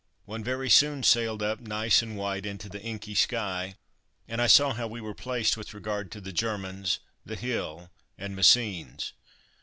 One very soon sailed up, nice and white, into the inky sky, and I saw how we were placed with regard to the Germans, the hill and Messines.